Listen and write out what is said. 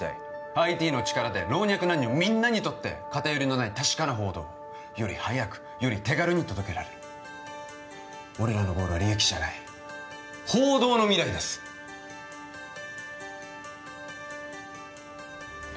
ＩＴの力で老若男女みんなにとって偏りのない確かな報道をより早くより手軽に届けられる俺らのゴールは利益じゃない報道の未来ですあっ